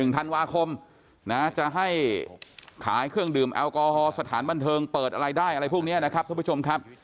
ธันวาคมนะจะให้ขายเครื่องดื่มแอลกอฮอล์สถานบันเทิงเปิดอะไรได้อะไรพวกนี้นะครับท่านผู้ชมครับ